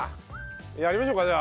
やりましょうかじゃあ。